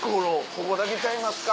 ここだけちゃいますか？